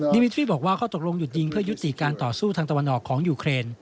มิทรี่บอกว่าข้อตกลงหยุดยิงเพื่อยุติการต่อสู้ทางตะวันออกของยูเครน